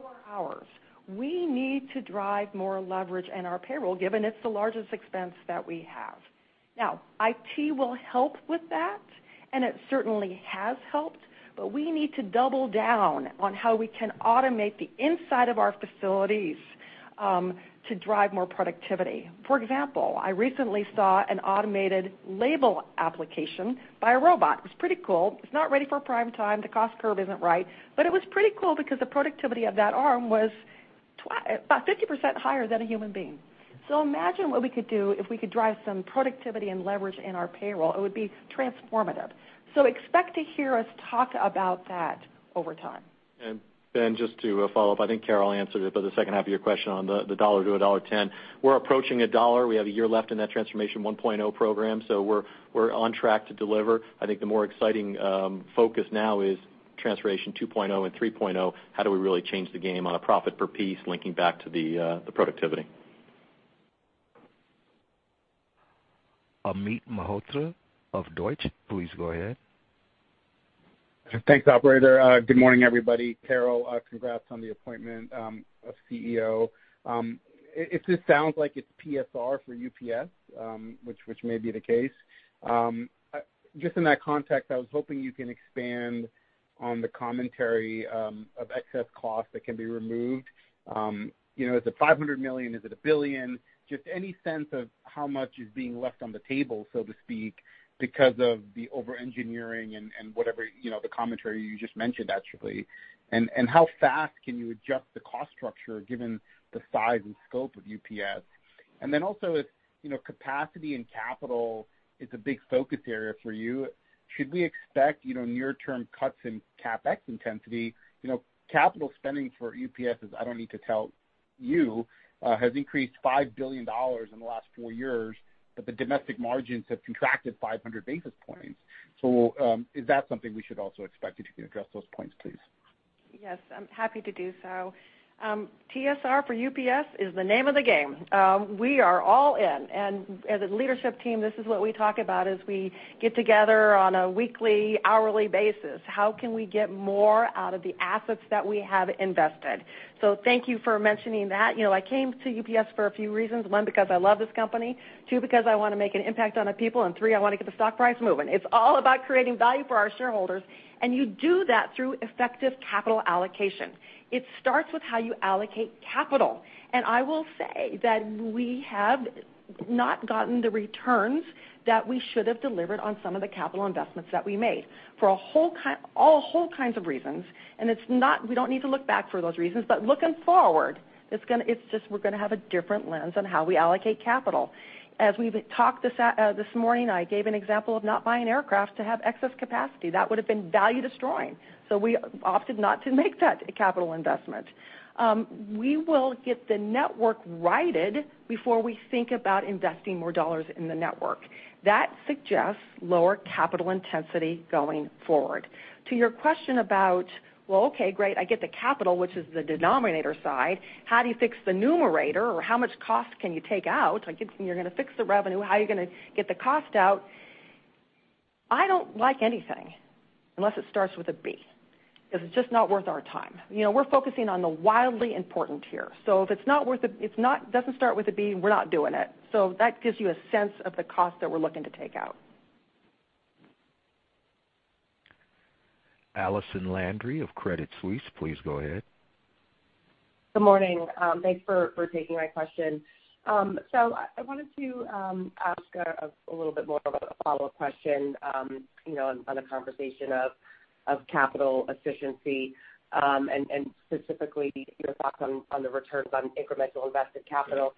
cracked, but want to get at, we have absolutely no leverage in our payroll. As activity goes up, so do our hours. We need to drive more leverage in our payroll, given it's the largest expense that we have. IT will help with that, and it certainly has helped, but we need to double down on how we can automate the inside of our facilities to drive more productivity. For example, I recently saw an automated label application by a robot. It was pretty cool. It's not ready for prime time. The cost curve isn't right, but it was pretty cool because the productivity of that arm was about 50% higher than a human being. Imagine what we could do if we could drive some productivity and leverage in our payroll. It would be transformative. Expect to hear us talk about that over time. Ben, just to follow up, I think Carol answered it, but the second half of your question on the $1-$1.10, we're approaching $1. We have one year left in that Transformation 1.0 program. We're on track to deliver. I think the more exciting focus now is Transformation 2.0 and 3.0, how do we really change the game on a profit per piece linking back to the productivity. Amit Mehrotra of Deutsche, please go ahead. Thanks, operator. Good morning, everybody. Carol, congrats on the appointment of CEO. If this sounds like it's TSR for UPS, which may be the case. Just in that context, I was hoping you can expand on the commentary of excess cost that can be removed. Is it $500 million? Is it $1 billion? Just any sense of how much is being left on the table, so to speak, because of the over-engineering and whatever the commentary you just mentioned, actually. How fast can you adjust the cost structure given the size and scope of UPS? Also, if capacity and capital is a big focus area for you, should we expect near-term cuts in CapEx intensity? Capital spending for UPS is, I don't need to tell you, has increased $5 billion in the last four years, but the domestic margins have contracted 500 basis points. Is that something we should also expect? If you can address those points, please. Yes, I'm happy to do so. TSR for UPS is the name of the game. We are all in. As a leadership team, this is what we talk about as we get together on a weekly, hourly basis. How can we get more out of the assets that we have invested? Thank you for mentioning that. I came to UPS for a few reasons. One, because I love this company, two, because I want to make an impact on our people, and three, I want to get the stock price moving. It's all about creating value for our shareholders. You do that through effective capital allocation. It starts with how you allocate capital. I will say that we have not gotten the returns that we should have delivered on some of the capital investments that we made for all whole kinds of reasons. We don't need to look back for those reasons, but looking forward, we're going to have a different lens on how we allocate capital. As we talked this morning, I gave an example of not buying aircraft to have excess capacity. That would have been value destroying. We opted not to make that capital investment. We will get the network righted before we think about investing more dollars in the network. That suggests lower capital intensity going forward. To your question about, well, okay, great, I get the capital, which is the denominator side. How do you fix the numerator? How much cost can you take out? You're going to fix the revenue. How are you going to get the cost out? I don't like anything unless it starts with a B, because it's just not worth our time. We're focusing on the wildly important here. If it doesn't start with a B, we're not doing it. That gives you a sense of the cost that we're looking to take out. Allison Landry of Credit Suisse, please go ahead. Good morning. Thanks for taking my question. I wanted to ask a little bit more of a follow-up question on the conversation of capital efficiency and specifically your thoughts on the returns on incremental invested capital.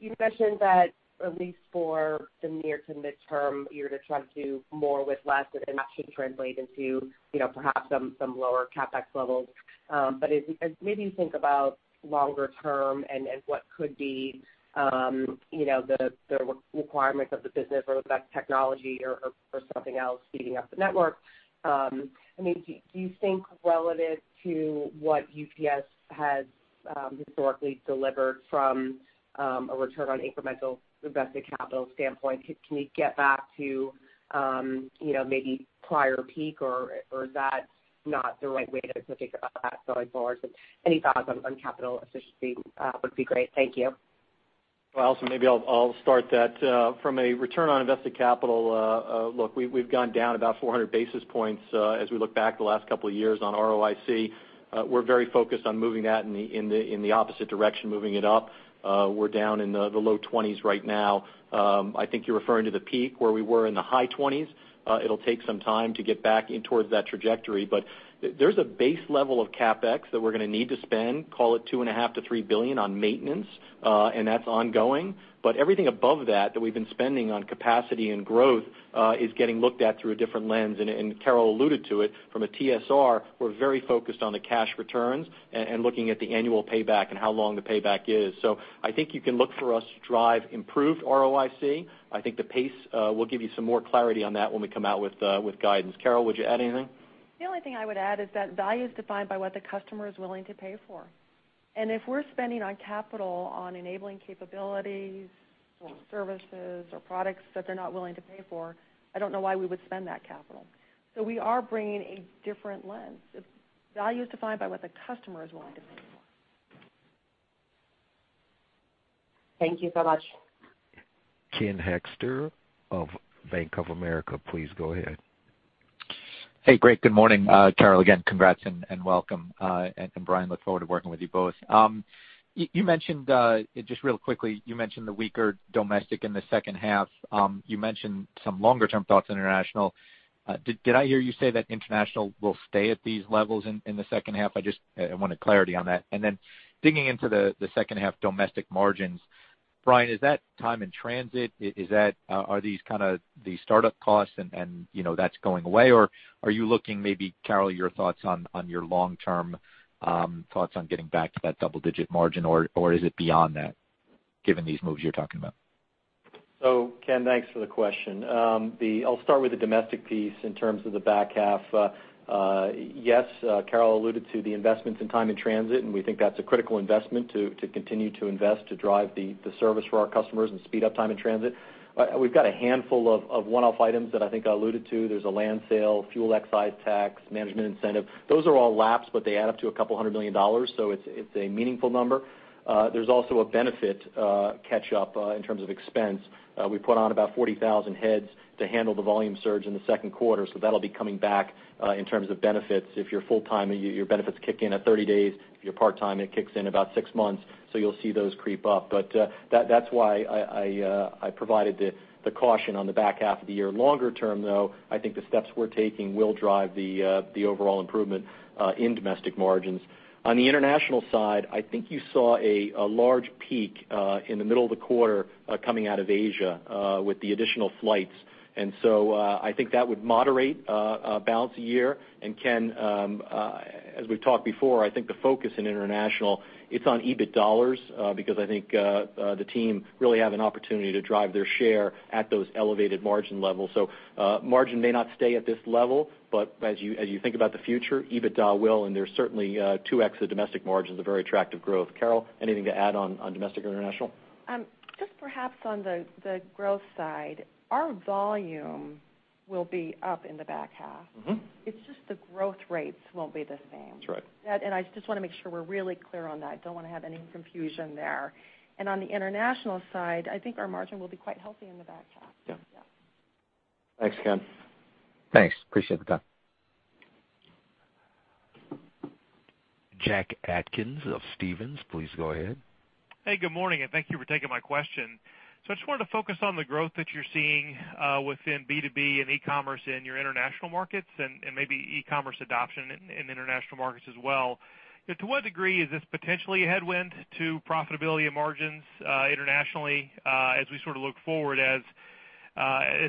You mentioned that at least for the near to midterm, you're going to try to do more with less, and that should translate into perhaps some lower CapEx levels. As maybe you think about longer term and what could be the requirements of the business or the best technology or something else speeding up the network, do you think relative to what UPS has historically delivered from a return on incremental invested capital standpoint, can we get back to maybe prior peak, or is that not the right way to think about that going forward? Any thoughts on capital efficiency would be great. Thank you. Well, Allison, maybe I'll start that. From a return on invested capital look, we've gone down about 400 basis points as we look back the last couple of years on ROIC. We're very focused on moving that in the opposite direction, moving it up. We're down in the low 20s right now. I think you're referring to the peak where we were in the high 20s. It'll take some time to get back in towards that trajectory, but there's a base level of CapEx that we're going to need to spend, call it $2.5 billion-$3 billion on maintenance, and that's ongoing. Everything above that we've been spending on capacity and growth is getting looked at through a different lens. Carol alluded to it from a TSR, we're very focused on the cash returns and looking at the annual payback and how long the payback is. I think you can look for us to drive improved ROIC. I think the pace will give you some more clarity on that when we come out with guidance. Carol, would you add anything? The only thing I would add is that value is defined by what the customer is willing to pay for. If we're spending on capital on enabling capabilities or services or products that they're not willing to pay for, I don't know why we would spend that capital. We are bringing a different lens. Value is defined by what the customer is willing to pay for. Thank you so much. Ken Hoexter of Bank of America, please go ahead. Hey, great. Good morning, Carol. Again, congrats and welcome. Brian, look forward to working with you both. Just real quickly, you mentioned the weaker domestic in the second half. You mentioned some longer-term thoughts international. Did I hear you say that international will stay at these levels in the second half? I just wanted clarity on that. Then digging into the second half domestic margins, Brian, is that time in transit? Are these the startup costs and that's going away? Are you looking maybe, Carol, your thoughts on your long-term thoughts on getting back to that double-digit margin, or is it beyond that given these moves you're talking about? Ken, thanks for the question. I will start with the domestic piece in terms of the back half. Yes, Carol alluded to the investments in time in transit, and we think that's a critical investment to continue to invest to drive the service for our customers and speed up time in transit. We've got a handful of one-off items that I think I alluded to. There's a land sale, fuel excise tax, management incentive. Those are all lapsed, but they add up to a couple hundred million dollars, so it's a meaningful number. There's also a benefit catch-up in terms of expense. We put on about 40,000 heads to handle the volume surge in the second quarter, so that'll be coming back in terms of benefits. If you're full-time, your benefits kick in at 30 days. If you're part-time, it kicks in about six months. You'll see those creep up. That's why I provided the caution on the back half of the year. Longer term, though, I think the steps we're taking will drive the overall improvement in domestic margins. On the international side, I think you saw a large peak in the middle of the quarter coming out of Asia with the additional flights. I think that would moderate balance a year. Ken, as we've talked before, I think the focus in international, it's on EBIT dollars because I think the team really have an opportunity to drive their share at those elevated margin levels. Margin may not stay at this level, but as you think about the future, EBITDA will, and there's certainly 2x the domestic margins of very attractive growth. Carol, anything to add on domestic or international? Just perhaps on the growth side, our volume will be up in the back half. It's just the growth rates won't be the same. That's right. I just want to make sure we're really clear on that. Don't want to have any confusion there. On the international side, I think our margin will be quite healthy in the back half. Yeah. Yeah. Thanks, Ken. Thanks. Appreciate the time. Jack Atkins of Stephens, please go ahead. Hey, good morning, and thank you for taking my question. I just wanted to focus on the growth that you're seeing within B2B and e-commerce in your international markets and maybe e-commerce adoption in international markets as well. To what degree is this potentially a headwind to profitability and margins internationally as we look forward, as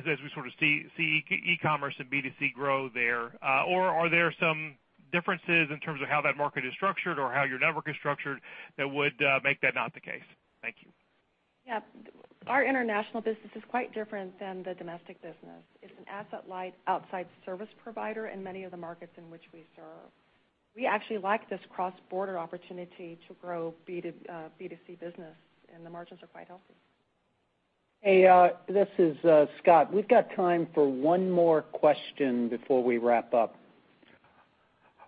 we see e-commerce and B2C grow there? Are there some differences in terms of how that market is structured or how your network is structured that would make that not the case? Thank you. Yeah. Our international business is quite different than the domestic business. It's an asset-light outside service provider in many of the markets in which we serve. We actually like this cross-border opportunity to grow B2C business, and the margins are quite healthy. Hey, this is Scott. We've got time for one more question before we wrap up.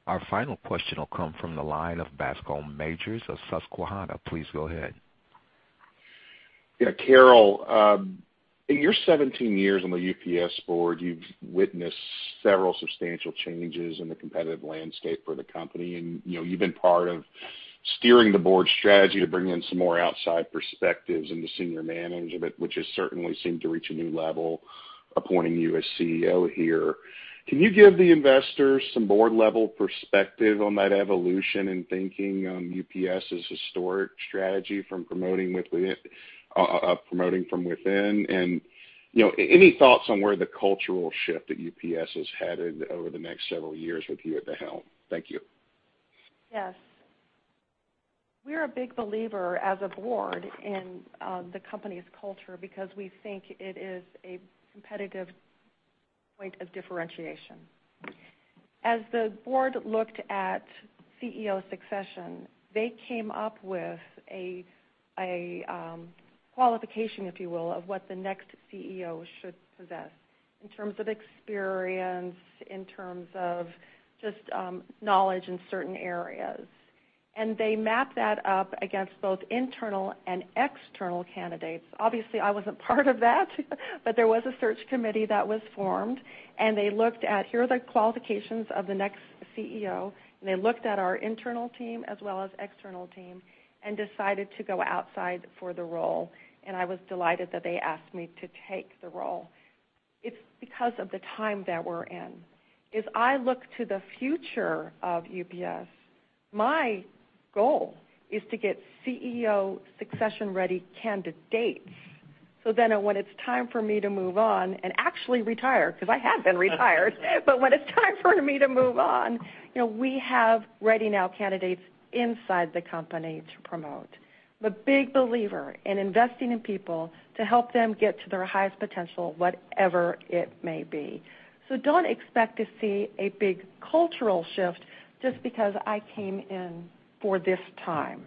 Our final question will come from the line of Bascome Majors of Susquehanna. Please go ahead. Yeah, Carol, in your 17 years on the UPS board, you've witnessed several substantial changes in the competitive landscape for the company, and you've been part of steering the board's strategy to bring in some more outside perspectives in the senior management, which has certainly seemed to reach a new level, appointing you as CEO here. Can you give the investors some board-level perspective on that evolution in thinking on UPS' historic strategy from promoting from within? Any thoughts on where the cultural shift at UPS has headed over the next several years with you at the helm? Thank you. Yes. We're a big believer as a board in the company's culture because we think it is a competitive point of differentiation. As the board looked at CEO succession, they came up with a qualification, if you will, of what the next CEO should possess in terms of experience, in terms of just knowledge in certain areas. They mapped that up against both internal and external candidates. Obviously, I wasn't part of that, but there was a search committee that was formed, and they looked at here are the qualifications of the next CEO, and they looked at our internal team as well as external team and decided to go outside for the role. I was delighted that they asked me to take the role. It's because of the time that we're in. As I look to the future of UPS, my goal is to get CEO succession-ready candidates. When it's time for me to move on and actually retire, because I haven't retired, but when it's time for me to move on, we have ready-now candidates inside the company to promote. I'm a big believer in investing in people to help them get to their highest potential, whatever it may be. Don't expect to see a big cultural shift just because I came in for this time.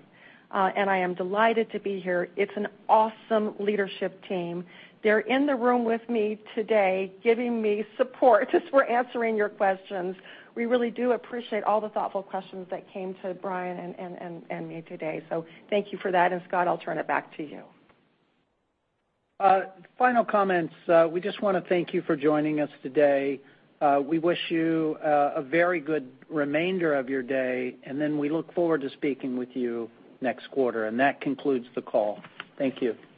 I am delighted to be here. It's an awesome leadership team. They're in the room with me today giving me support as we're answering your questions. We really do appreciate all the thoughtful questions that came to Brian and me today. Thank you for that. Scott, I'll turn it back to you. Final comments. We just want to thank you for joining us today. We wish you a very good remainder of your day. We look forward to speaking with you next quarter. That concludes the call. Thank you.